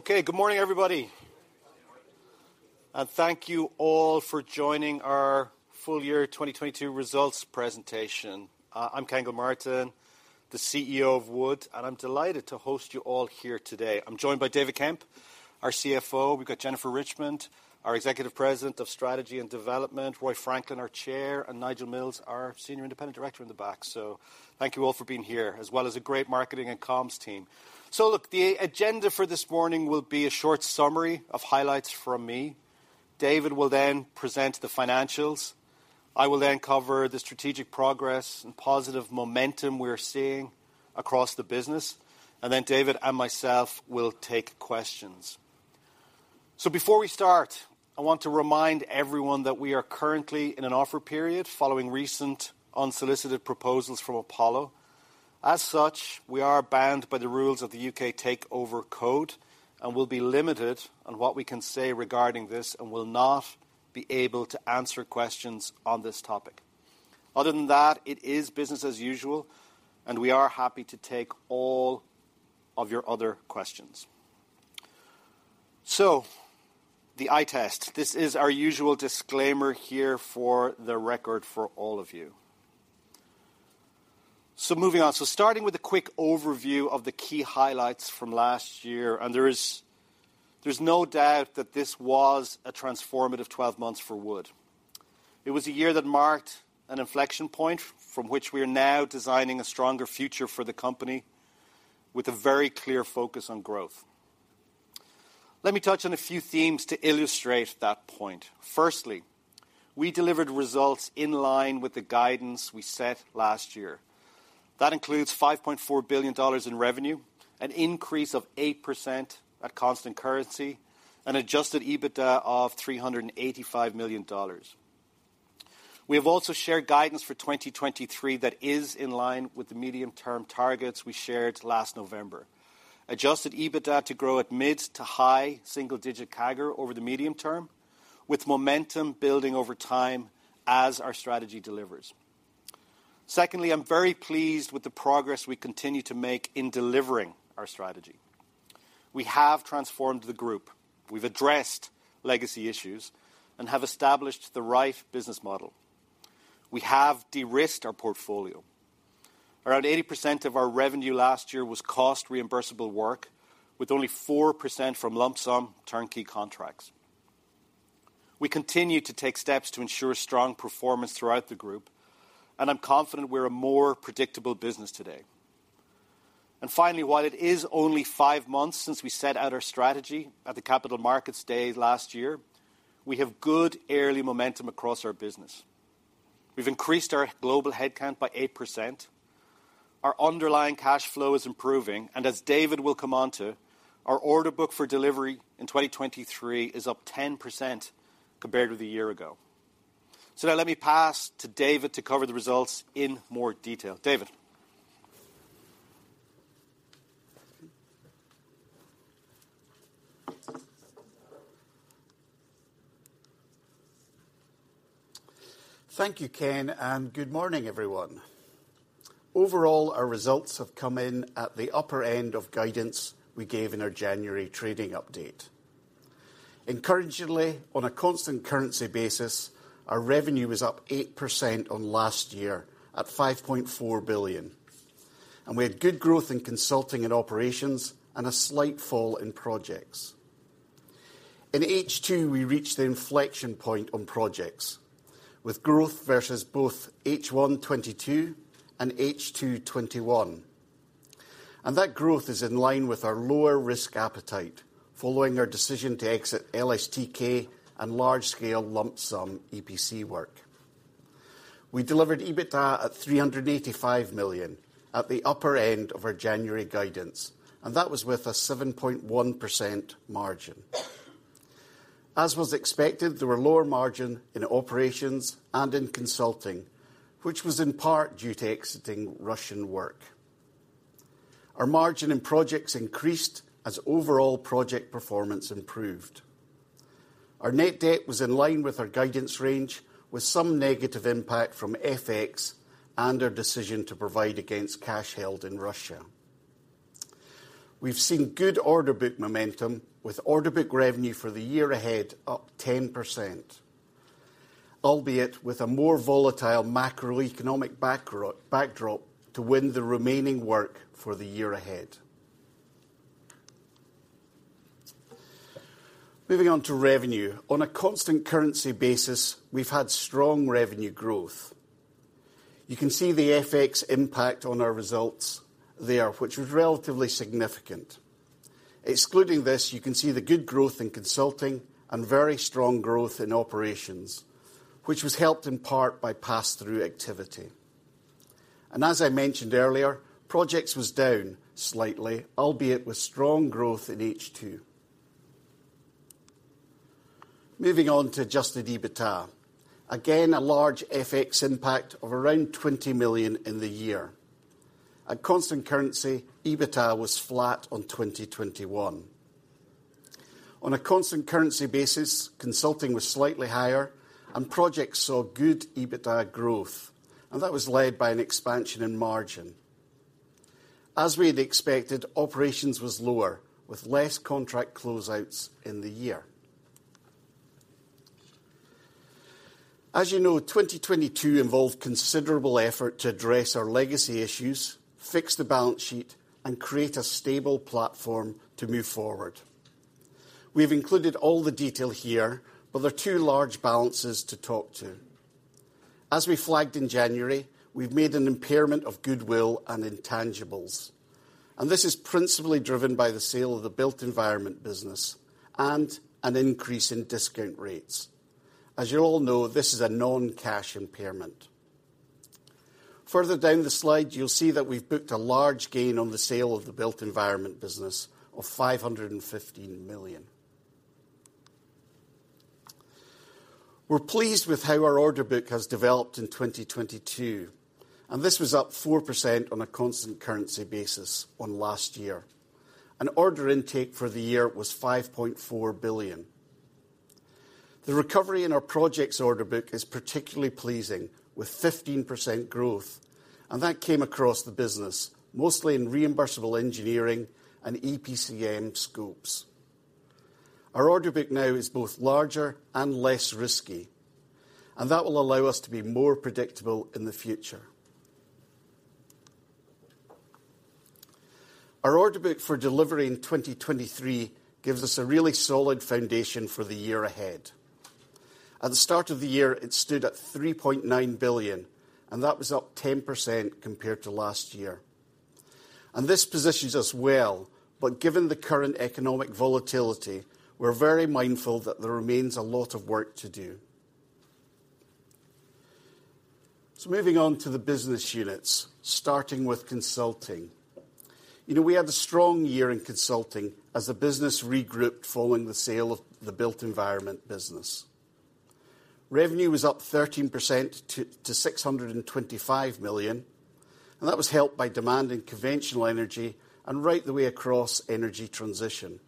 Okay, good morning, everybody. Thank you all for joining our full-year 2022 results presentation. I'm Ken Gilmartin, the CEO of Wood, and I'm delighted to host you all here today. I'm joined by David Kemp, our CFO. We've got Jennifer Richmond, our Executive President of Strategy and Development, Roy Franklin, our Chair, and Nigel Mills, our Senior Independent Director in the back. Thank you all for being here, as well as a great marketing and comms team. Look, the agenda for this morning will be a short summary of highlights from me. David will then present the financials. I will then cover the strategic progress and positive momentum we're seeing across the business, and then David and myself will take questions. Before we start, I want to remind everyone that we are currently in an offer period following recent unsolicited proposals from Apollo. As such, we are bound by the rules of the UK Takeover Code and will be limited on what we can say regarding this and will not be able to answer questions on this topic. Other than that, it is business as usual, and we are happy to take all of your other questions. The eye test, this is our usual disclaimer here for the record for all of you. Moving on. Starting with a quick overview of the key highlights from last year, there's no doubt that this was a transformative 12 months for Wood. It was a year that marked an inflection point from which we are now designing a stronger future for the company with a very clear focus on growth. Let me touch on a few themes to illustrate that point. We delivered results in line with the guidance we set last year. That includes $5.4 billion in revenue, an increase of 8% at constant currency, an Adjusted EBITDA of $385 million. We have also shared guidance for 2023 that is in line with the medium-term targets we shared last November. Adjusted EBITDA to grow at mid to high single-digit CAGR over the medium term, with momentum building over time as our strategy delivers. I'm very pleased with the progress we continue to make in delivering our strategy. We have transformed the group. We've addressed legacy issues and have established the right business model. We have de-risked our portfolio. Around 80% of our revenue last year was cost reimbursable work, with only 4% from lump-sum turnkey contracts. We continue to take steps to ensure strong performance throughout the group, and I'm confident we're a more predictable business today. Finally, while it is only five months since we set out our strategy at the Capital Markets Day last year, we have good early momentum across our business. We've increased our global headcount by 8%. Our underlying cash flow is improving, and as David will come on to, our order book for delivery in 2023 is up 10% compared with a year ago. Now let me pass to David to cover the results in more detail. David. Thank you, Ken, and good morning, everyone. Overall, our results have come in at the upper end of guidance we gave in our January trading update. Encouragingly, on a constant currency basis, our revenue was up 8% on last year at $5.4 billion. We had good growth in consulting and operations and a slight fall in projects. In H2, we reached the inflection point on projects with growth versus both H1 2022 and H2 2021. That growth is in line with our lower risk appetite following our decision to exit LSTK and large-scale lump-sum EPC work. We delivered EBITDA at $385 million at the upper end of our January guidance, and that was with a 7.1% margin. As was expected, there were lower margin in operations and in consulting, which was in part due to exiting Russian work. Our margin in projects increased as overall project performance improved. Our net debt was in line with our guidance range, with some negative impact from FX and our decision to provide against cash held in Russia. We've seen good order book momentum, with order book revenue for the year ahead up 10%, albeit with a more volatile macroeconomic backdrop to win the remaining work for the year ahead. Moving on to revenue. On a constant currency basis, we've had strong revenue growth. You can see the FX impact on our results there, which was relatively significant. Excluding this, you can see the good growth in consulting and very strong growth in operations, which was helped in part by pass-through activity. As I mentioned earlier, projects was down slightly, albeit with strong growth in H2. Moving on to Adjusted EBITDA. Again, a large FX impact of around $20 million in the year. At constant currency, EBITDA was flat on 2021. On a constant currency basis, consulting was slightly higher and projects saw good EBITDA growth, and that was led by an expansion in margin. As we had expected, operations was lower, with less contract closeouts in the year. As you know, 2022 involved considerable effort to address our legacy issues, fix the balance sheet, and create a stable platform to move forward. We've included all the detail here, there are two large balances to talk to. As we flagged in January, we've made an impairment of goodwill and intangibles, and this is principally driven by the sale of the built environment business and an increase in discount rates. As you all know, this is a non-cash impairment. Further down the slide, you'll see that we've booked a large gain on the sale of the built environment business of $515 million. We're pleased with how our order book has developed in 2022, and this was up 4% on a constant currency basis on last year. An order intake for the year was $5.4 billion. The recovery in our projects order book is particularly pleasing, with 15% growth, and that came across the business, mostly in reimbursable engineering and EPCM scopes. Our order book now is both larger and less risky, and that will allow us to be more predictable in the future. Our order book for delivery in 2023 gives us a really solid foundation for the year ahead. At the start of the year, it stood at $3.9 billion, and that was up 10% compared to last year. This positions us well, but given the current economic volatility, we're very mindful that there remains a lot of work to do. Moving on to the business units, starting with Consulting. You know, we had a strong year in Consulting as the business regrouped following the sale of the built environment business. Revenue was up 13% to $625 million, and that was helped by demand in conventional energy and right the way across energy transition.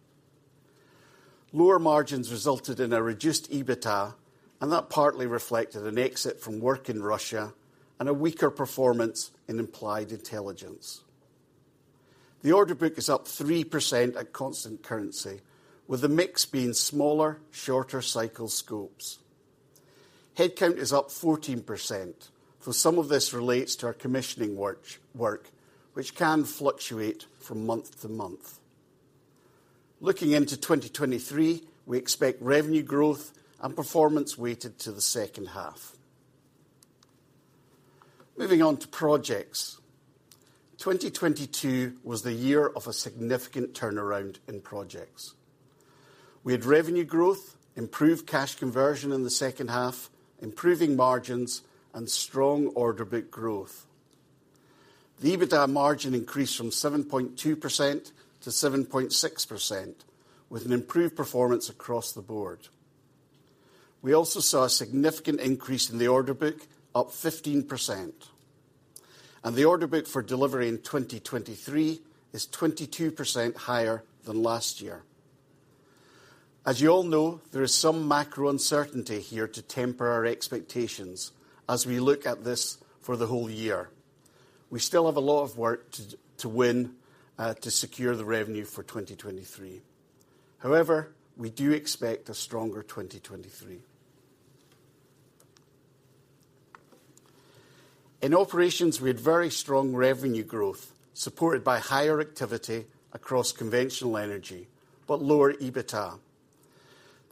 Lower margins resulted in a reduced EBITDA, that partly reflected an exit from work in Russia and a weaker performance in applied intelligence. The order book is up 3% at constant currency, with the mix being smaller, shorter cycle scopes. Headcount is up 14%, though some of this relates to our commissioning work, which can fluctuate from month to month. Looking into 2023, we expect revenue growth and performance weighted to the second half. Moving on to projects. 2022 was the year of a significant turnaround in projects. We had revenue growth, improved cash conversion in the second half, improving margins, and strong order book growth. The EBITDA margin increased from 7.2% to 7.6%, with an improved performance across the board. We also saw a significant increase in the order book, up 15%. The order book for delivery in 2023 is 22% higher than last year. As you all know, there is some macro uncertainty here to temper our expectations as we look at this for the whole year. We still have a lot of work to win, to secure the revenue for 2023. We do expect a stronger 2023. In operations, we had very strong revenue growth, supported by higher activity across conventional energy, but lower EBITDA.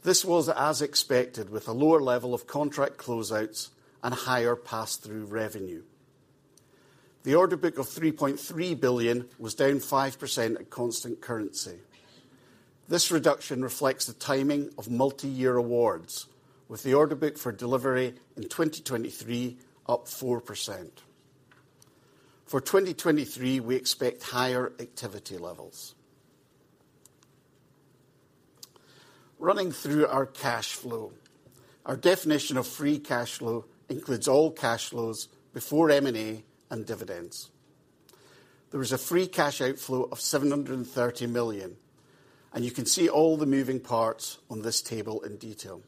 This was as expected with a lower level of contract closeouts and higher pass-through revenue. The order book of $3.3 billion was down 5% at constant currency. This reduction reflects the timing of multiyear awards, with the order book for delivery in 2023 up 4%. For 2023, we expect higher activity levels. Running through our cash flow. Our definition of free cash flow includes all cash flows before M&A and dividends. There was a free cash outflow of $730 million. You can see all the moving parts on this table in detail.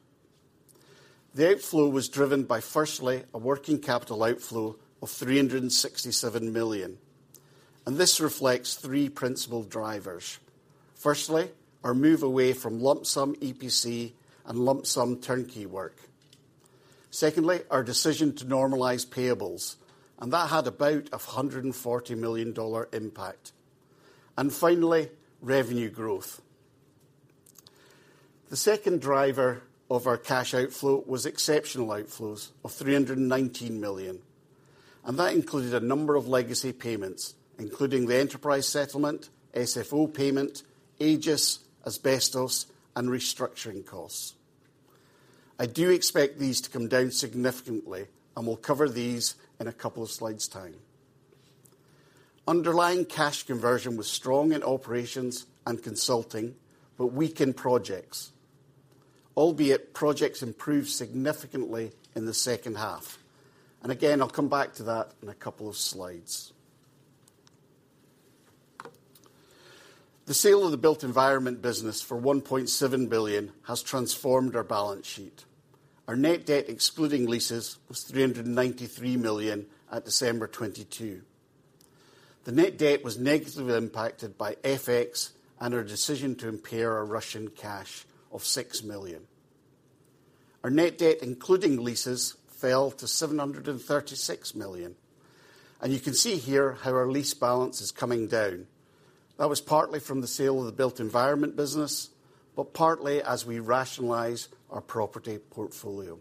The outflow was driven by, firstly, a working capital outflow of $367 million. This reflects three principal drivers. Firstly, our move away from lump-sum EPC and lump-sum turnkey work. Secondly, our decision to normalize payables. That had about a $140 million impact. Finally, revenue growth. The second driver of our cash outflow was exceptional outflows of $319 million. That included a number of legacy payments, including the Enterprise settlement, SFO payment, Aegis, asbestos, and restructuring costs. I do expect these to come down significantly. We'll cover these in a couple of slides' time. Underlying cash conversion was strong in operations and consulting, but weak in projects, albeit projects improved significantly in the second half. Again, I'll come back to that in a couple of slides. The sale of the built environment business for $1.7 billion has transformed our balance sheet. Our net debt excluding leases was $393 million at December 2022. The net debt was negatively impacted by FX and our decision to impair our Russian cash of $6 million. Our net debt including leases fell to $736 million, and you can see here how our lease balance is coming down. That was partly from the sale of the built environment business, but partly as we rationalize our property portfolio.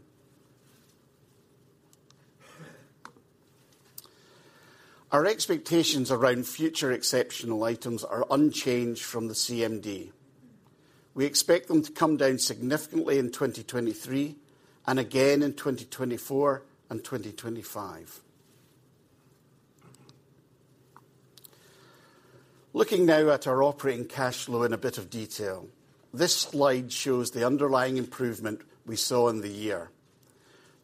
Our expectations around future exceptional items are unchanged from the CMD. We expect them to come down significantly in 2023 and again in 2024 and 2025. Looking now at our operating cash flow in a bit of detail, this slide shows the underlying improvement we saw in the year.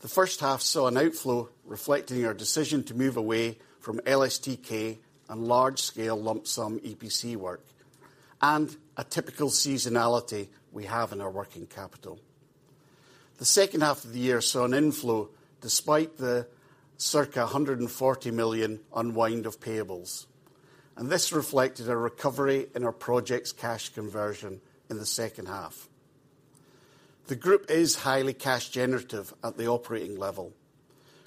The first half saw an outflow reflecting our decision to move away from LSTK and large-scale lump sum EPC work and a typical seasonality we have in our working capital. The second half of the year saw an inflow despite the circa $140 million unwind of payables, this reflected a recovery in our projects cash conversion in the second half. The group is highly cash generative at the operating level.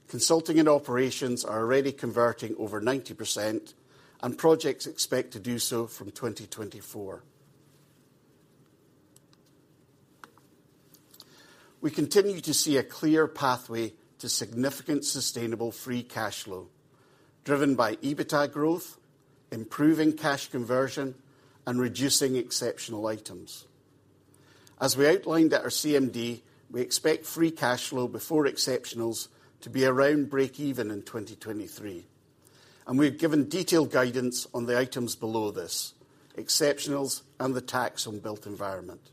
Consulting and operations are already converting over 90% and projects expect to do so from 2024. We continue to see a clear pathway to significant sustainable free cash flow driven by EBITDA growth, improving cash conversion and reducing exceptional items. As we outlined at our CMD, we expect free cash flow before exceptionals to be around breakeven in 2023, and we've given detailed guidance on the items below this, exceptionals and the tax on built environment.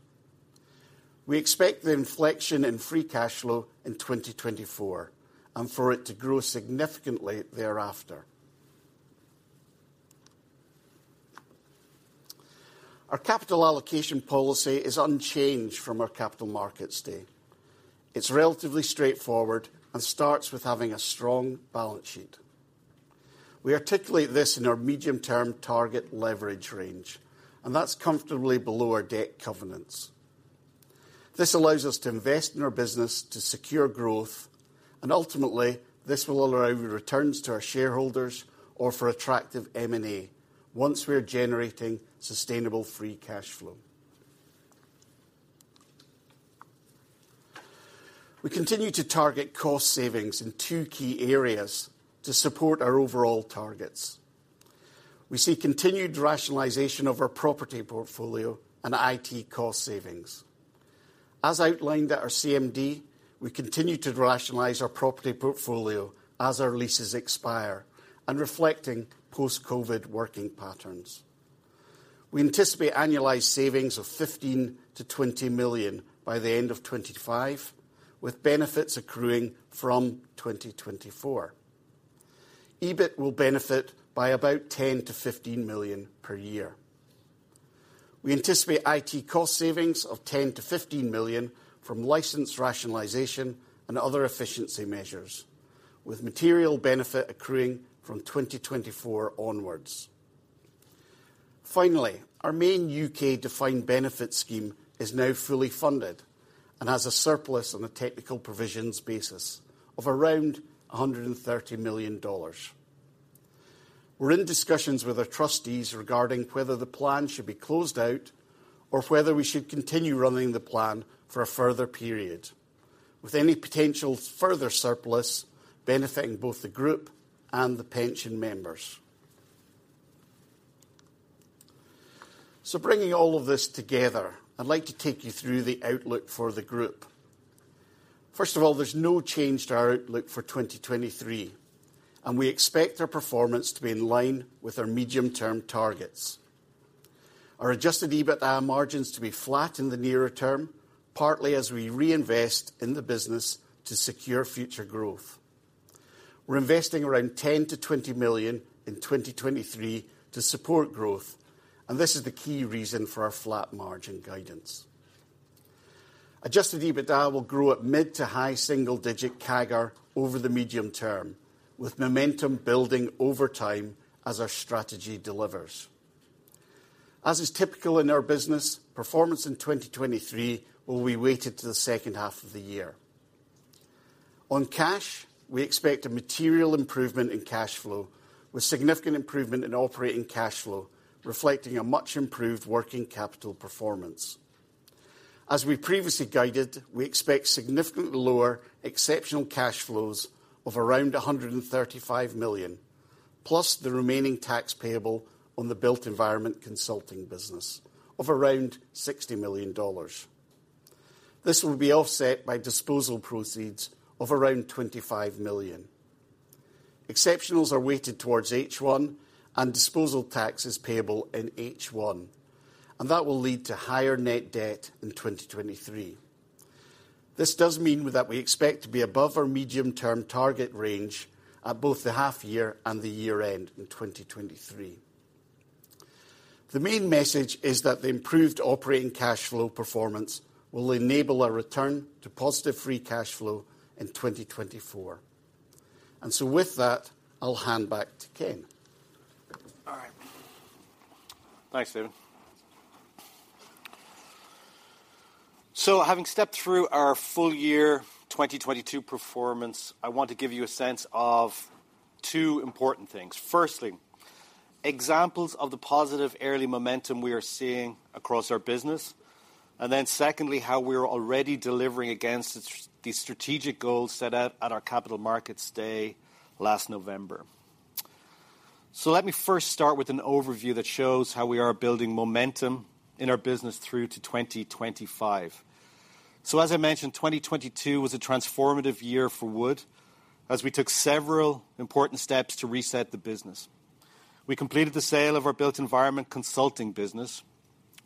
We expect the inflection in free cash flow in 2024 and for it to grow significantly thereafter. Our Capital Allocation policy is unchanged from our Capital Markets Day. It's relatively straightforward and starts with having a strong balance sheet. We articulate this in our medium-term target leverage range, and that's comfortably below our debt covenants. This allows us to invest in our business to secure growth, and ultimately this will allow returns to our shareholders or for attractive M&A once we are generating sustainable free cash flow. We continue to target cost savings in two key areas to support our overall targets. We see continued rationalization of our property portfolio and IT cost savings. As outlined at our CMD, we continue to rationalize our property portfolio as our leases expire and reflecting post-COVID working patterns. We anticipate annualized savings of $15 million-$20 million by the end of 2025, with benefits accruing from 2024. EBIT will benefit by about $10 million-$15 million per year. We anticipate IT cost savings of $10 million-$15 million from license rationalization and other efficiency measures with material benefit accruing from 2024 onwards. Finally, our main U.K. defined benefit scheme is now fully funded and has a surplus on a technical provisions basis of around $130 million. We're in discussions with our trustees regarding whether the plan should be closed out or whether we should continue running the plan for a further period with any potential further surplus benefiting both the group and the pension members. Bringing all of this together, I'd like to take you through the outlook for the group. First of all, there's no change to our outlook for 2023, and we expect our performance to be in line with our medium-term targets. Our Adjusted EBITDA margins to be flat in the nearer term, partly as we reinvest in the business to secure future growth. We're investing around $10 million-$20 million in 2023 to support growth, and this is the key reason for our flat margin guidance. Adjusted EBITDA will grow at mid to high single digit CAGR over the medium term, with momentum building over time as our strategy delivers. As is typical in our business, performance in 2023 will be weighted to the second half of the year. On cash, we expect a material improvement in cash flow with significant improvement in operating cash flow reflecting a much improved working capital performance. As we previously guided, we expect significantly lower exceptional cash flows of around $135 million, plus the remaining tax payable on the built environment consulting business of around $60 million. This will be offset by disposal proceeds of around $25 million. Exceptionals are weighted towards H1 and disposal tax is payable in H1, that will lead to higher net debt in 2023. This does mean that we expect to be above our medium-term target range at both the half year and the year-end in 2023. The main message is that the improved operating cash flow performance will enable a return to positive free cash flow in 2024. With that, I'll hand back to Ken. All right. Thanks, David. Having stepped through our full year 2022 performance, I want to give you a sense of two important things. Firstly, examples of the positive early momentum we are seeing across our business, and then secondly, how we are already delivering against the strategic goals set out at our Capital Markets Day last November. Let me first start with an overview that shows how we are building momentum in our business through to 2025. As I mentioned, 2022 was a transformative year for Wood, as we took several important steps to reset the business. We completed the sale of our built environment consulting business.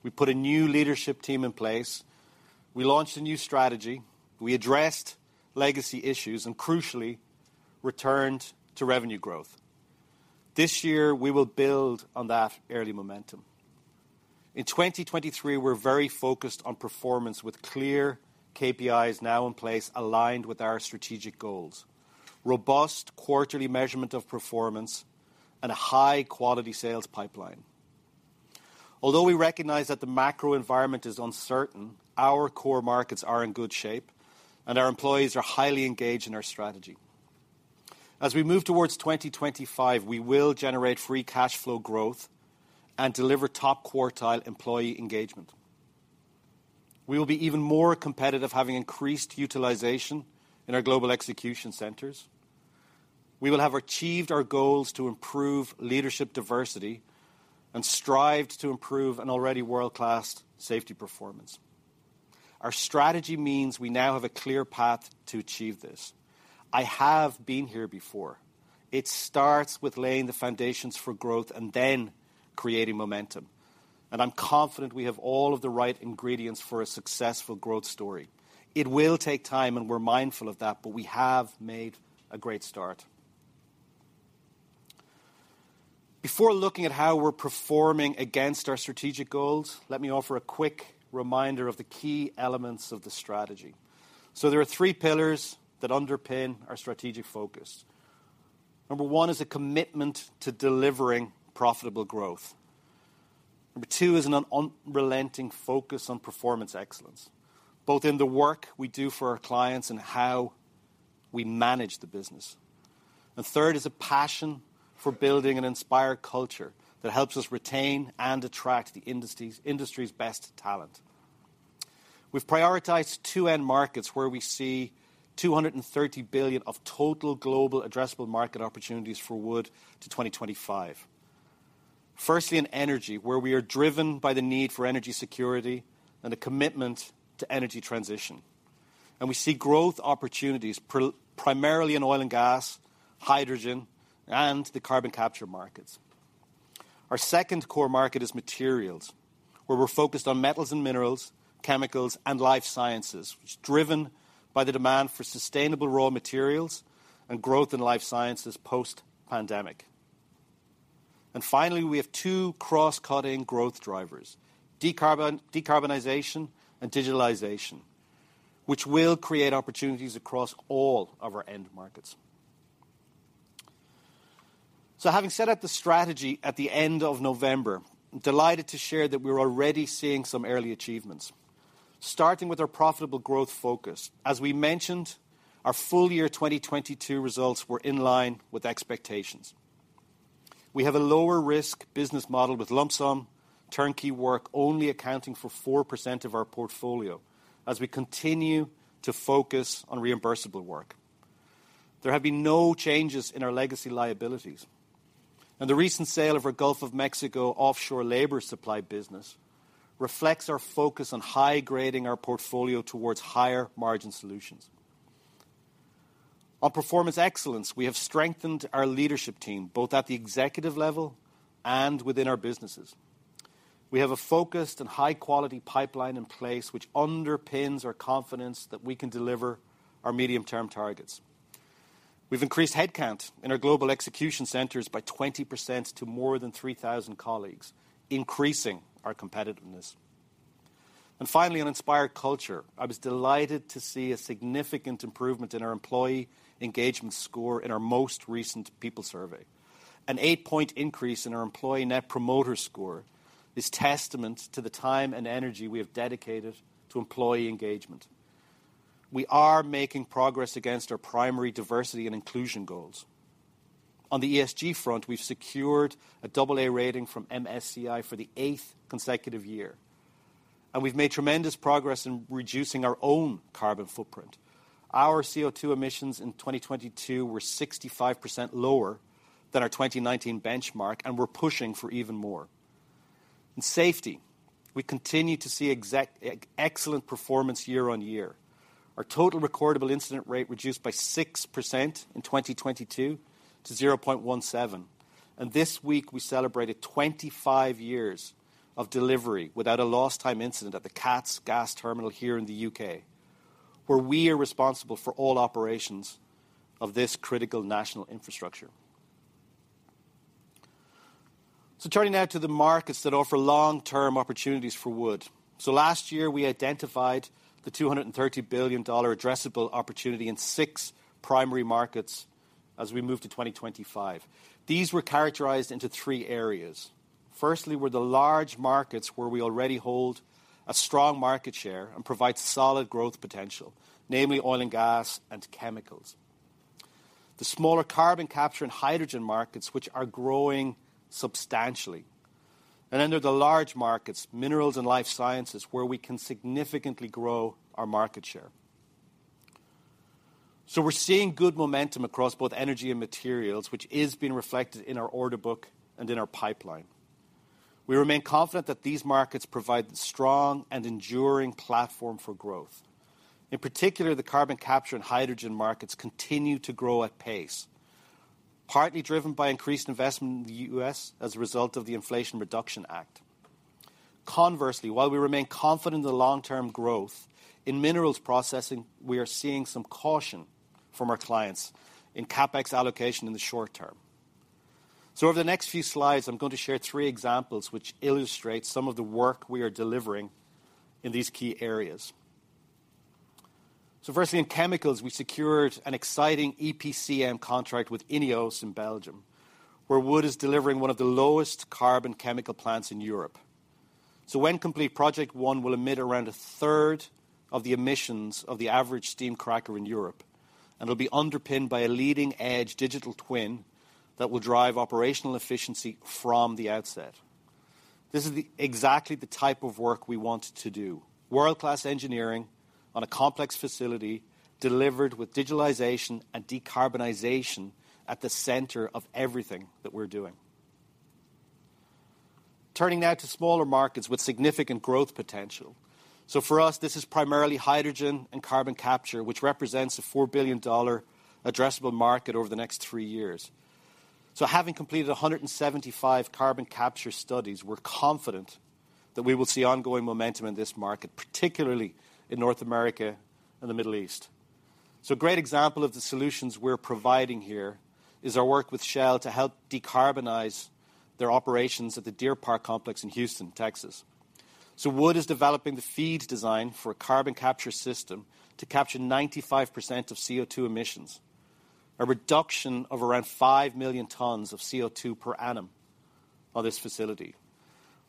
We put a new leadership team in place. We launched a new strategy. We addressed legacy issues and crucially returned to revenue growth. This year, we will build on that early momentum. In 2023, we're very focused on performance with clear KPIs now in place, aligned with our strategic goals, robust quarterly measurement of performance, and a high-quality sales pipeline. Although we recognize that the macro environment is uncertain, our core markets are in good shape, and our employees are highly engaged in our strategy. As we move towards 2025, we will generate free cash flow growth and deliver top-quartile employee engagement. We will be even more competitive having increased utilization in our Global Execution Centres. We will have achieved our goals to improve leadership diversity and strived to improve an already world-class safety performance. Our strategy means we now have a clear path to achieve this. I have been here before. It starts with laying the foundations for growth and then creating momentum, and I'm confident we have all of the right ingredients for a successful growth story. It will take time, and we're mindful of that, but we have made a great start. Before looking at how we're performing against our strategic goals, let me offer a quick reminder of the key elements of the strategy. There are three pillars that underpin our strategic focus. Number one is a commitment to delivering profitable growth. Number two is an unrelenting focus on performance excellence, both in the work we do for our clients and how we manage the business. The third is a passion for building an inspired culture that helps us retain and attract the industry's best talent. We've prioritized two end markets where we see $230 billion of total global addressable market opportunities for Wood to 2025. Firstly, in energy, where we are driven by the need for energy security and a commitment to energy transition. We see growth opportunities primarily in oil and gas, hydrogen, and the carbon capture markets. Our second core market is materials, where we're focused on metals and minerals, chemicals, and life sciences, which is driven by the demand for sustainable raw materials and growth in life sciences post-pandemic. Finally, we have two cross-cutting growth drivers, decarbonization and digitalization, which will create opportunities across all of our end markets. Having set out the strategy at the end of November, I'm delighted to share that we're already seeing some early achievements. Starting with our profitable growth focus, as we mentioned, our full year 2022 results were in line with expectations. We have a lower risk business model with lump sum, turnkey work only accounting for 4% of our portfolio as we continue to focus on reimbursable work. There have been no changes in our legacy liabilities. The recent sale of our Gulf of Mexico offshore labor supply business reflects our focus on high-grading our portfolio towards higher-margin solutions. On performance excellence, we have strengthened our leadership team, both at the executive level and within our businesses. We have a focused and high-quality pipeline in place which underpins our confidence that we can deliver our medium-term targets. We've increased headcount in our Global Execution Centres by 20% to more than 3,000 colleagues, increasing our competitiveness. Finally, on inspired culture, I was delighted to see a significant improvement in our employee engagement score in our most recent people survey. An 8-point increase in our Employee Net Promoter Score is testament to the time and energy we have dedicated to employee engagement. We are making progress against our primary diversity and inclusion goals. On the ESG front, we've secured an AA rating from MSCI for the eighth consecutive year, and we've made tremendous progress in reducing our own carbon footprint. Our CO2 emissions in 2022 were 65% lower than our 2019 benchmark, and we're pushing for even more. In safety, we continue to see excellent performance year-on-year. Our total recordable incident rate reduced by 6% in 2022 to 0.17. This week we celebrated 25 years of delivery without a lost time incident at the CATS gas terminal here in the U.K., where we are responsible for all operations of this critical national infrastructure. Turning now to the markets that offer long-term opportunities for Wood. Last year, we identified the $230 billion addressable opportunity in six primary markets as we move to 2025. These were characterized into three areas. Firstly, were the large markets where we already hold a strong market share and provides solid growth potential, namely oil and gas and chemicals. The smaller carbon capture and hydrogen markets, which are growing substantially. There are the large markets, minerals and life sciences, where we can significantly grow our market share. We're seeing good momentum across both energy and materials, which is being reflected in our order book and in our pipeline. We remain confident that these markets provide strong and enduring platform for growth. In particular, the carbon capture and hydrogen markets continue to grow at pace, partly driven by increased investment in the U.S. as a result of the Inflation Reduction Act. Conversely, while we remain confident in the long-term growth, in minerals processing, we are seeing some caution from our clients in CapEx allocation in the short term. Over the next few slides, I'm going to share three examples which illustrate some of the work we are delivering in these key areas. Firstly, in chemicals, we secured an exciting EPCM contract with INEOS in Belgium, where Wood is delivering one of the lowest carbon chemical plants in Europe. When complete, Project One will emit around a third of the emissions of the average steam cracker in Europe, and it'll be underpinned by a leading-edge digital twin that will drive operational efficiency from the outset. This is the exactly the type of work we want to do. World-class engineering on a complex facility delivered with digitalization and decarbonization at the center of everything that we're doing. For us, this is primarily hydrogen and carbon capture, which represents a $4 billion addressable market over the next three years. Having completed 175 carbon capture studies, we're confident that we will see ongoing momentum in this market, particularly in North America and the Middle East. A great example of the solutions we're providing here is our work with Shell to help decarbonize their operations at the Deer Park complex in Houston, Texas. Wood is developing the FEED design for a carbon capture system to capture 95% of CO2 emissions, a reduction of around 5 million tons of CO2 per annum of this facility.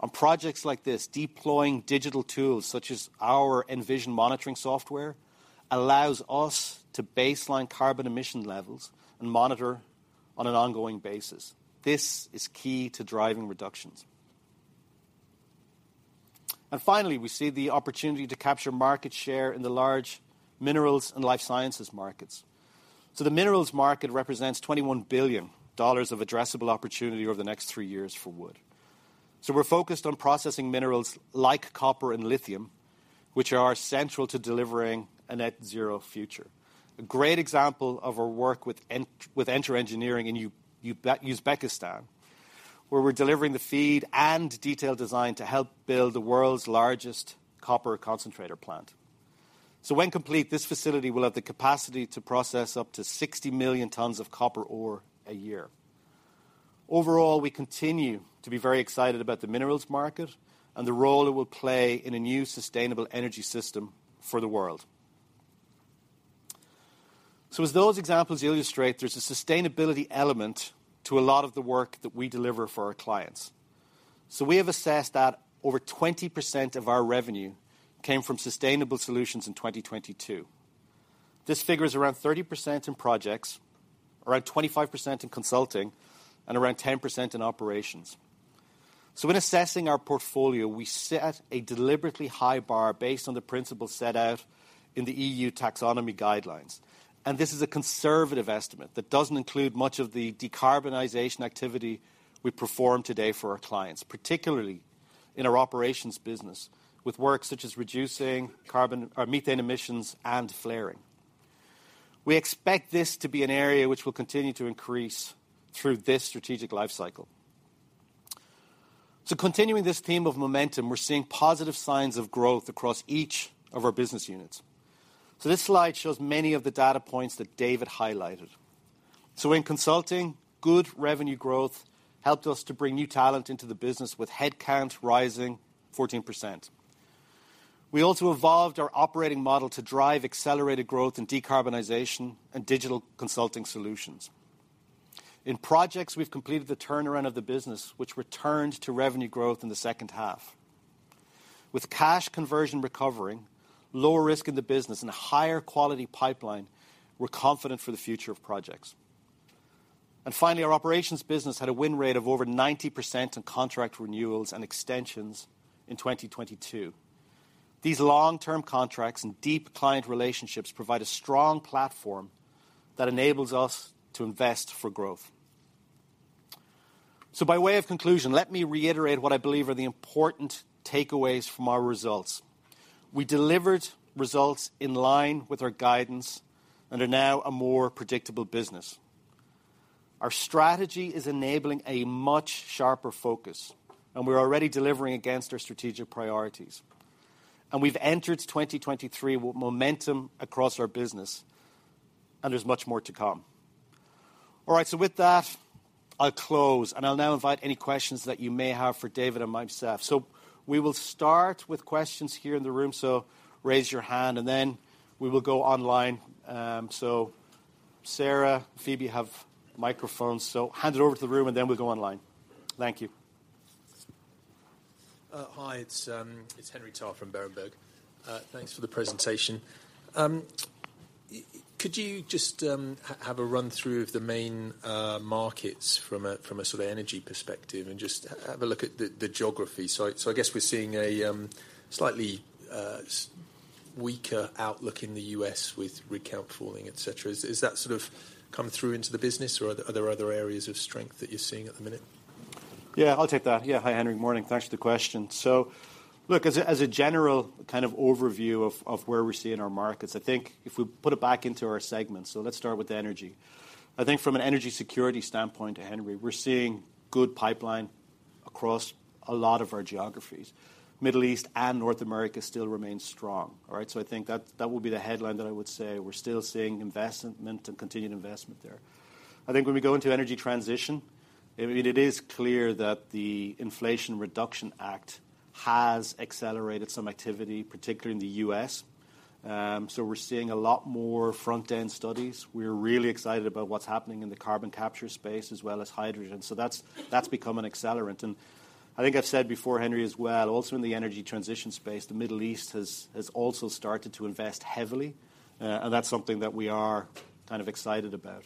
On projects like this, deploying digital tools such as our ENVision monitoring software allows us to baseline carbon emission levels and monitor on an ongoing basis. This is key to driving reductions. Finally, we see the opportunity to capture market share in the large minerals and life sciences markets. The minerals market represents $21 billion of addressable opportunity over the next three years for Wood. We're focused on processing minerals like copper and lithium, which are central to delivering a net zero future. A great example of our work with Enter Engineering in Uzbekistan, where we're delivering the FEED and detailed design to help build the world's largest copper concentrator plant. When complete, this facility will have the capacity to process up to 60 million tons of copper ore a year. Overall, we continue to be very excited about the minerals market and the role it will play in a new sustainable energy system for the world. As those examples illustrate, there's a sustainability element to a lot of the work that we deliver for our clients. We have assessed that over 20% of our revenue came from sustainable solutions in 2022. This figure is around 30% in Projects, around 25% in Consulting, and around 10% in Operations. In assessing our portfolio, we set a deliberately high bar based on the principle set out in the E.U. Taxonomy guidelines. This is a conservative estimate that doesn't include much of the decarbonization activity we perform today for our clients, particularly in our operations business with work such as reducing carbon or methane emissions and flaring. We expect this to be an area which will continue to increase through this strategic life cycle. Continuing this theme of momentum, we're seeing positive signs of growth across each of our business units. This slide shows many of the data points that David highlighted. In Consulting, good revenue growth helped us to bring new talent into the business with head count rising 14%. We also evolved our operating model to drive accelerated growth in decarbonization and digital consulting solutions. In Projects, we've completed the turnaround of the business, which returned to revenue growth in the second half. With cash conversion recovering, lower risk in the business, and a higher quality pipeline, we're confident for the future of Projects. Finally, our Operations business had a win rate of over 90% on contract renewals and extensions in 2022. These long-term contracts and deep client relationships provide a strong platform that enables us to invest for growth. By way of conclusion, let me reiterate what I believe are the important takeaways from our results. We delivered results in line with our guidance and are now a more predictable business. Our strategy is enabling a much sharper focus, and we're already delivering against our strategic priorities. We've entered 2023 with momentum across our business, and there's much more to come. With that, I'll close, and I'll now invite any questions that you may have for David and myself. We will start with questions here in the room, so raise your hand, and then we will go online. Sarah, Phoebe have microphones, so hand it over to the room, and then we'll go online. Thank you. Hi. It's Henry Tarr from Berenberg. Thanks for the presentation. Could you just have a run-through of the main markets from a, from a sort of energy perspective and just have a look at the geography? I guess we're seeing a slightly weaker outlook in the U.S. with rig count falling, et cetera. Is that sort of come through into the business, or are there other areas of strength that you're seeing at the minute? I'll take that. Hi, Henry. Morning. Thanks for the question. Look, as a general kind of overview of where we're seeing our markets, I think if we put it back into our segments, let's start with energy. I think from an energy security standpoint, Henry, we're seeing good pipeline across a lot of our geographies. Middle East and North America still remain strong. All right? I think that would be the headline that I would say. We're still seeing investment and continued investment there. I think when we go into energy transition, I mean, it is clear that the Inflation Reduction Act has accelerated some activity, particularly in the U.S. We're seeing a lot more front-end studies. We're really excited about what's happening in the carbon capture space as well as hydrogen. That's become an accelerant. I think I've said before, Henry, as well, also in the energy transition space, the Middle East has also started to invest heavily. That's something that we are kind of excited about.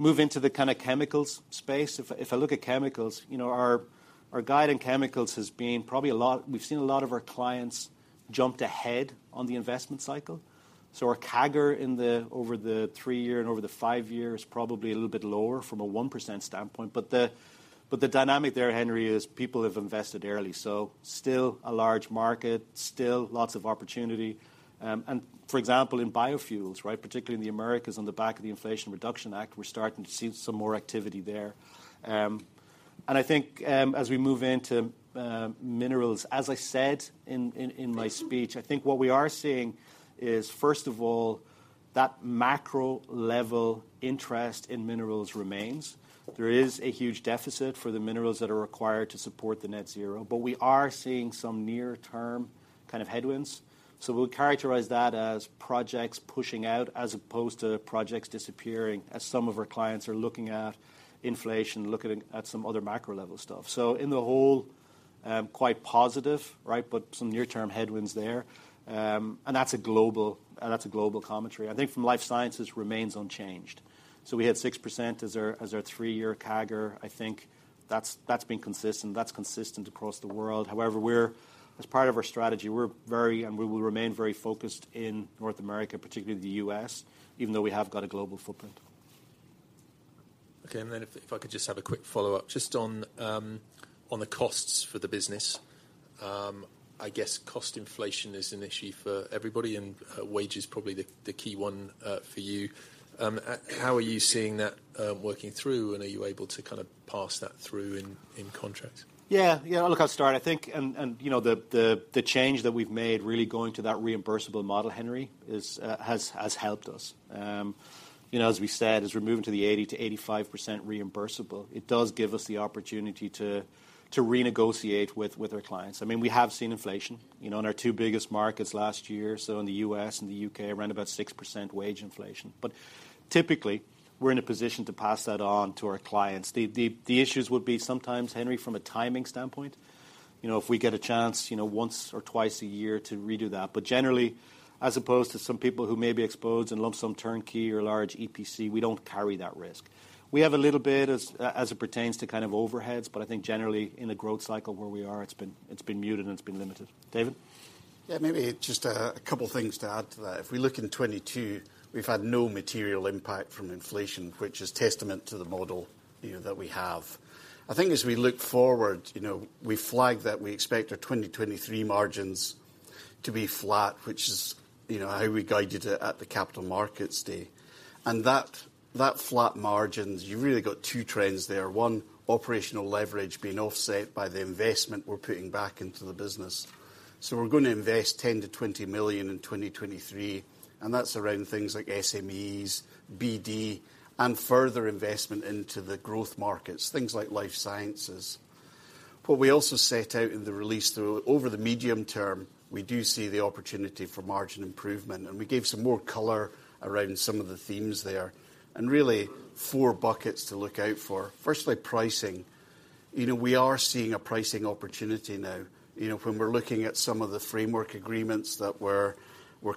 Move into the kind of chemicals space. If I look at chemicals, you know, our guide in chemicals has been probably we've seen a lot of our clients jumped ahead on the investment cycle. Our CAGR over the three year and over the five year is probably a little bit lower from a 1% standpoint. The dynamic there, Henry, is people have invested early. Still a large market, still lots of opportunity. For example, in biofuels, right, particularly in the Americas on the back of the Inflation Reduction Act, we're starting to see some more activity there. And I think, as we move into minerals, as I said in my speech, I think what we are seeing is, first of all, that macro level interest in minerals remains. There is a huge deficit for the minerals that are required to support the net zero. We are seeing some near-term kind of headwinds. We'll characterize that as projects pushing out as opposed to projects disappearing as some of our clients are looking at inflation, looking at some other macro level stuff. In the whole, quite positive, right? Some near-term headwinds there. And that's a global commentary. I think from life sciences remains unchanged. We had 6% as our three-year CAGR. I think that's been consistent. That's consistent across the world. As part of our strategy, we're very, and we will remain very focused in North America, particularly the U.S., even though we have got a global footprint. Okay. If I could just have a quick follow-up just on the costs for the business. I guess cost inflation is an issue for everybody and, wage is probably the key one, for you. How are you seeing that, working through, and are you able to kind of pass that through in contracts? Yeah, look, I'll start. I think, you know, the change that we've made really going to that reimbursable model, Henry, is has helped us. You know, as we said, as we're moving to the 80%-85% reimbursable, it does give us the opportunity to renegotiate with our clients. I mean, we have seen inflation, you know, in our two biggest markets last year. In the U.S. and the U.K., around about 6% wage inflation. Typically, we're in a position to pass that on to our clients. The issues would be sometimes, Henry, from a timing standpoint, you know, if we get a chance, you know, once or twice a year to redo that. Generally, as opposed to some people who may be exposed in lump-sum turnkey or large EPC, we don't carry that risk. We have a little bit as it pertains to kind of overheads, but I think generally in the growth cycle where we are, it's been, it's been muted and it's been limited. David? Yeah, maybe just a couple things to add to that. If we look in 2022, we've had no material impact from inflation, which is testament to the model, you know, that we have. I think as we look forward, you know, we flagged that we expect our 2023 margins to be flat, which is, you know, how we guided it at the Capital Markets Day. That, that flat margin, you've really got two trends there. One, operational leverage being offset by the investment we're putting back into the business. We're gonna invest $10 million-$20 million in 2023, and that's around things like SMEs, BD, and further investment into the growth markets, things like life sciences. What we also set out in the release though, over the medium term, we do see the opportunity for margin improvement, and we gave some more color around some of the themes there. Really four buckets to look out for. Firstly, pricing. You know, we are seeing a pricing opportunity now. You know, when we're looking at some of the framework agreements that we're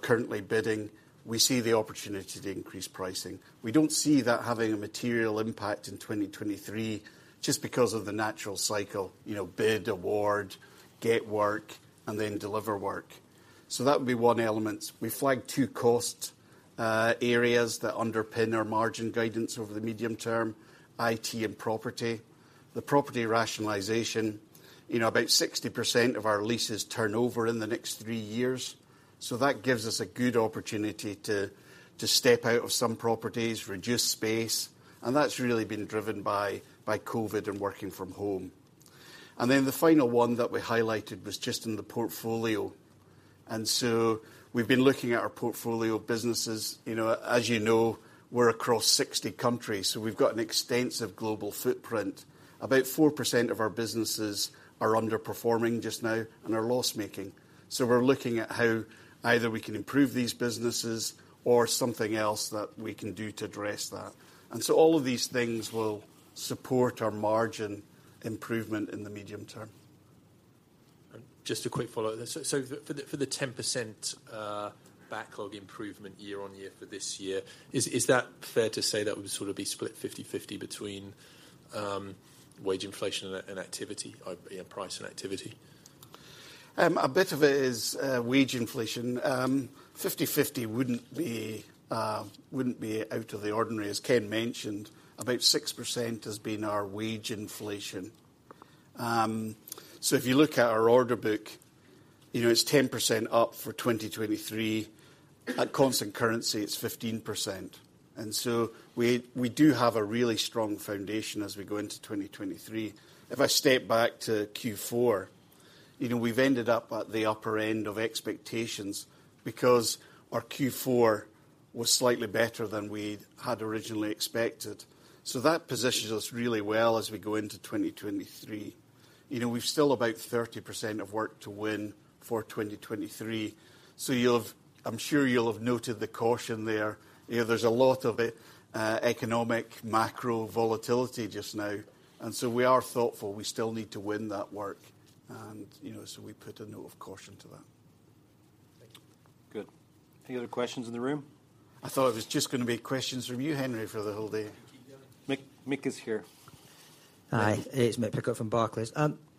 currently bidding, we see the opportunity to increase pricing. We don't see that having a material impact in 2023 just because of the natural cycle, you know, bid, award, get work, and then deliver work. That would be one element. We flagged two cost areas that underpin our margin guidance over the medium term, IT and property. The property rationalisation, you know, about 60% of our leases turn over in the next three years. That gives us a good opportunity to step out of some properties, reduce space, and that's really been driven by COVID and working from home. The final one that we highlighted was just in the portfolio. We've been looking at our portfolio businesses. You know, as you know, we're across 60 countries, so we've got an extensive global footprint. About 4% of our businesses are underperforming just now and are loss-making. We're looking at how either we can improve these businesses or something else that we can do to address that. All of these things will support our margin improvement in the medium term. Just a quick follow-up. For the 10% backlog improvement year-on-year for this year, is that fair to say that would sort of be split 50/50 between wage inflation and activity or, you know, price and activity? A bit of it is wage inflation. 50/50 wouldn't be out of the ordinary. As Ken mentioned, about 6% has been our wage inflation. If you look at our order book, you know, it's 10% up for 2023. At constant currency, it's 15%. We do have a really strong foundation as we go into 2023. If I step back to Q4, you know, we've ended up at the upper end of expectations because our Q4 was slightly better than we had originally expected. That positions us really well as we go into 2023. You know, we've still about 30% of work to win for 2023, so I'm sure you'll have noted the caution there. You know, there's a lot of economic macro volatility just now, and so we are thoughtful. We still need to win that work and, you know, so we put a note of caution to that. Thank you. Good. Any other questions in the room? I thought it was just gonna be questions from you, Henry, for the whole day. Mick is here. Hi. It's Mick Pickup from Barclays.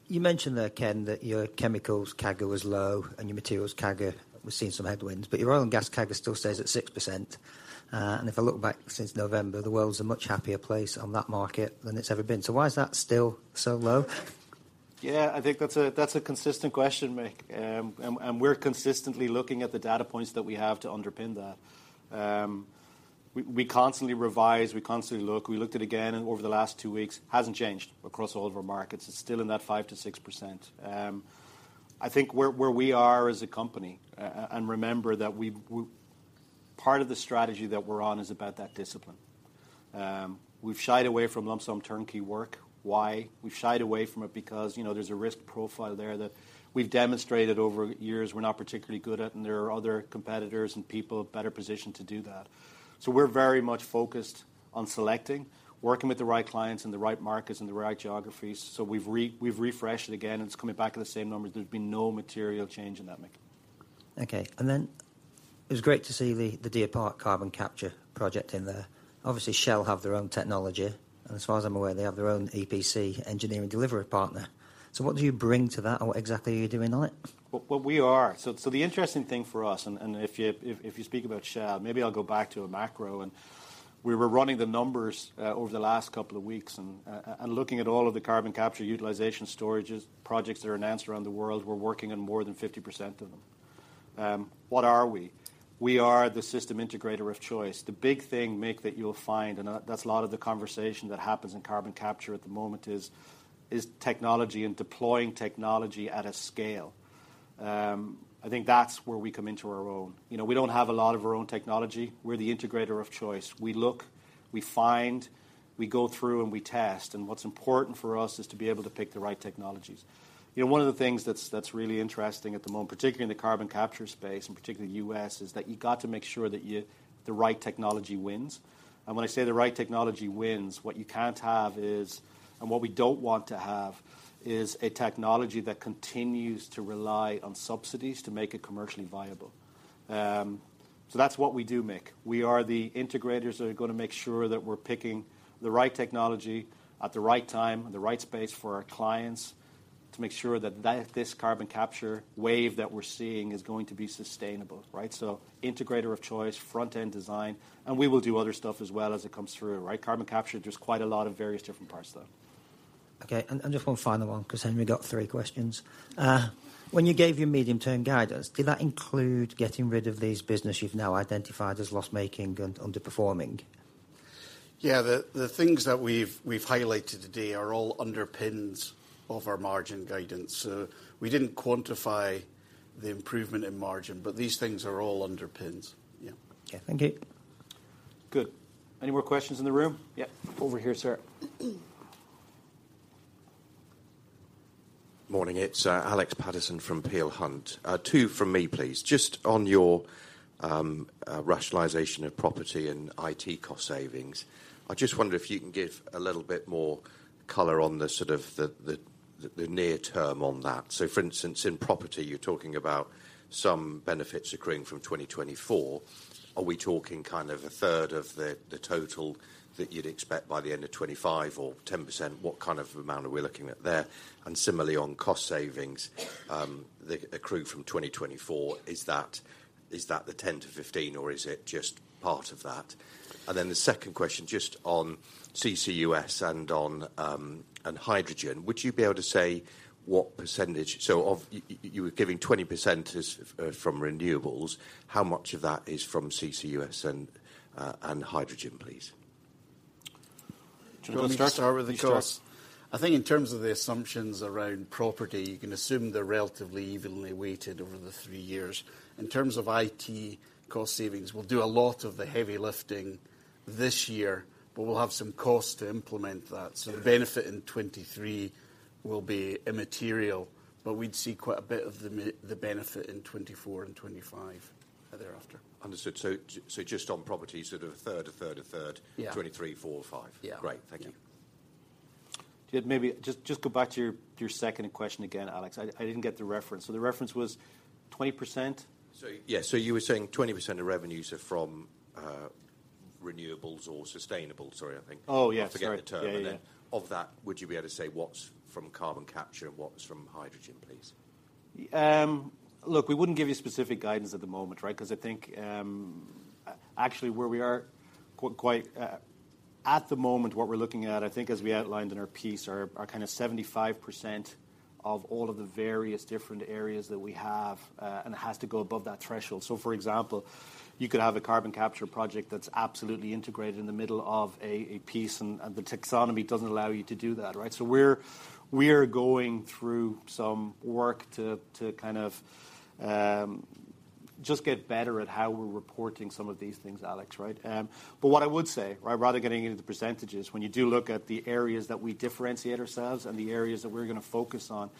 You mentioned there, Ken, that your chemicals CAGR was low and your materials CAGR was seeing some headwinds, but your oil and gas CAGR still stays at 6%. If I look back since November, the world's a much happier place on that market than it's ever been. Why is that still so low? Yeah, I think that's a, that's a consistent question, Mick. We're consistently looking at the data points that we have to underpin that. We constantly revise, we constantly look. We looked at it again over the last two weeks. Hasn't changed across all of our markets. It's still in that 5%-6%. I think where we are as a company, remember that part of the strategy that we're on is about that discipline. We've shied away from lump-sum turnkey work. Why? We've shied away from it because, you know, there's a risk profile there that we've demonstrated over years we're not particularly good at. There are other competitors and people better positioned to do that. We're very much focused on selecting, working with the right clients in the right markets and the right geographies. We've refreshed it again, and it's coming back to the same numbers. There's been no material change in that, Mick. Okay. Then it was great to see the Deer Park carbon capture project in there. Obviously, Shell have their own technology and as far as I'm aware, they have their own EPC engineering delivery partner. What do you bring to that or what exactly are you doing on it? What we are. The interesting thing for us and if you speak about Shell, maybe I'll go back to a macro and we were running the numbers over the last couple of weeks and looking at all of the carbon capture utilization storages, projects that are announced around the world, we're working on more than 50% of them. What are we? We are the system integrator of choice. The big thing, Mick, that you'll find, and that's a lot of the conversation that happens in carbon capture at the moment is technology and deploying technology at a scale. I think that's where we come into our own. You know, we don't have a lot of our own technology. We're the integrator of choice. We look, we find, we go through, and we test, and what's important for us is to be able to pick the right technologies. You know, one of the things that's really interesting at the moment, particularly in the carbon capture space and particularly U.S., is that you got to make sure that the right technology wins. When I say the right technology wins, what you can't have is, and what we don't want to have is a technology that continues to rely on subsidies to make it commercially viable. That's what we do, Mick. We are the integrators that are gonna make sure that we're picking the right technology at the right time and the right space for our clients to make sure that this carbon capture wave that we're seeing is going to be sustainable, right? Integrator of choice, front-end design, and we will do other stuff as well as it comes through, right? Carbon capture, there's quite a lot of various different parts though. Okay. Just one final one because Henry got three questions. When you gave your medium-term guidance, did that include getting rid of these business you've now identified as loss-making and underperforming? Yeah. The things that we've highlighted today are all underpins of our margin guidance. We didn't quantify the improvement in margin, these things are all underpins. Yeah. Okay. Thank you. Good. Any more questions in the room? Yeah. Over here, sir. Morning. It's Alex Paterson from Peel Hunt. Two from me, please. Just on your rationalization of property and IT cost savings, I just wonder if you can give a little bit more color on the sort of the near term on that. For instance, in property, you're talking about some benefits accruing from 2024. Are we talking kind of a third of the total that you'd expect by the end of 2025 or 10%? What kind of amount are we looking at there? Similarly, on cost savings, the accrue from 2024, is that the 10%-15% or is it just part of that? The second question, just on CCUS and on hydrogen. Would you be able to say you were giving 20% is from renewables. How much of that is from CCUS and hydrogen, please? Do you want me to start? Do you want me to start with it I think in terms of the assumptions around property, you can assume they're relatively evenly weighted over the three years. In terms of IT cost savings, we'll do a lot of the heavy lifting this year, but we'll have some costs to implement that. The benefit in 2023 will be immaterial, but we'd see quite a bit of the benefit in 2024 and 2025, thereafter. Understood. so just on property, sort of a third, a third, a third-... 2023, 2024, 2025. Yeah. Great. Thank you. To maybe just go back to your second question again, Alex. I didn't get the reference. So the reference was 20%? Yeah. You were saying 20% of revenues are from renewables or sustainable, sorry, I think. Oh, yeah. Sorry. I'm forgetting the term. Yeah, yeah. Then of that, would you be able to say what's from carbon capture and what's from hydrogen, please? Look, we wouldn't give you specific guidance at the moment, right? Cause I think actually where we are quite at the moment, what we're looking at, I think as we outlined in our piece, are kinda 75% of all of the various different areas that we have, and it has to go above that threshold. For example, you could have a carbon capture project that's absolutely integrated in the middle of a piece and the taxonomy doesn't allow you to do that, right? So we're going through some work to kind of just get better at how we're reporting some of these things, Alex, right? What I would say, right, rather than getting into the percentages, when you do look at the areas that we differentiate ourselves and the areas that we're gonna focus on,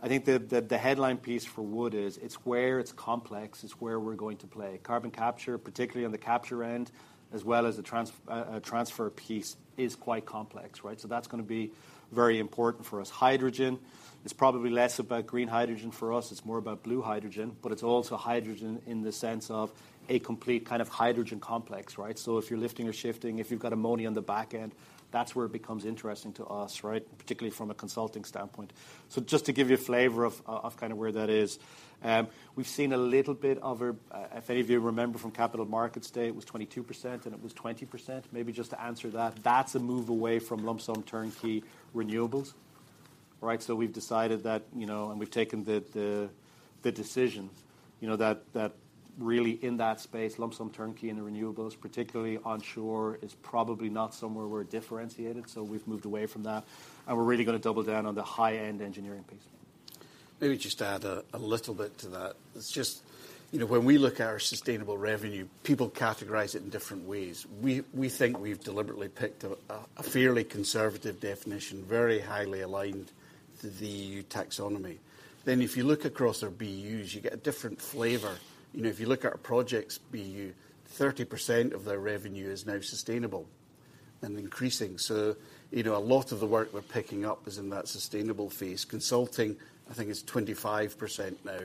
I think the headline piece for Wood is, it's where it's complex, it's where we're going to play. Carbon capture, particularly on the capture end, as well as the transfer piece is quite complex, right? That's gonna be very important for us. Hydrogen is probably less about green hydrogen for us, it's more about blue hydrogen, but it's also hydrogen in the sense of a complete kind of hydrogen complex, right? If you're lifting or shifting, if you've got ammonia on the back end, that's where it becomes interesting to us, right? Particularly from a consulting standpoint. Just to give you a flavor of kind of where that is, we've seen a little bit of a, if any of you remember from Capital Markets Day, it was 22% and it was 20%. Maybe just to answer that's a move away from lump-sum turnkey renewables, right? We've decided that, you know, and we've taken the decision, you know, that really in that space, lump-sum turnkey in the renewables, particularly onshore, is probably not somewhere we're differentiated, so we've moved away from that, and we're really gonna double down on the high-end engineering piece. Maybe just to add a little bit to that. It's just, you know, when we look at our sustainable revenue, people categorize it in different ways. We think we've deliberately picked a fairly conservative definition, very highly aligned to the taxonomy. If you look across our BUs, you get a different flavor. You know, if you look at our projects BU, 30% of their revenue is now sustainable and increasing. You know, a lot of the work we're picking up is in that sustainable phase. Consulting, I think it's 25% now.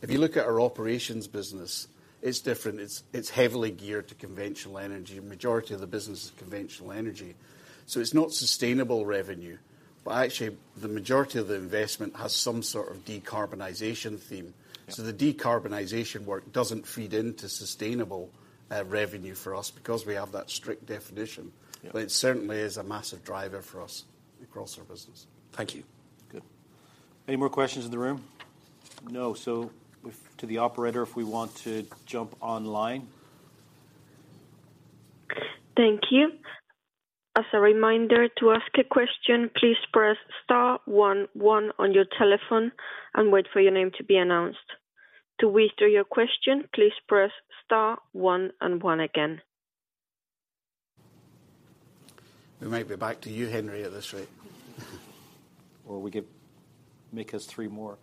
If you look at our operations business, it's different. It's heavily geared to conventional energy. The majority of the business is conventional energy. It's not sustainable revenue, but actually the majority of the investment has some sort of decarbonization theme. The decarbonization work doesn't feed into sustainable revenue for us because we have that strict definition. It certainly is a massive driver for us across our business. Thank you. Good. Any more questions in the room? No. If to the operator, if we want to jump online. Thank you. As a reminder, to ask a question, please press star one one on your telephone and wait for your name to be announced. To withdraw your question, please press star one and one again. We might be back to you, Henry, at this rate. We could make us three more.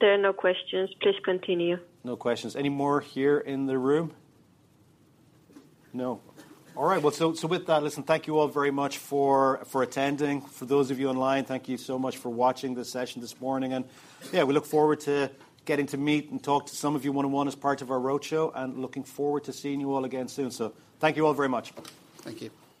There are no questions. Please continue. No questions. Any more here in the room? No. All right. With that, listen, thank you all very much for attending. For those of you online, thank you so much for watching this session this morning. Yeah, we look forward to getting to meet and talk to some of you one-on-one as part of our roadshow, and looking forward to seeing you all again soon. Thank you all very much. Thank you.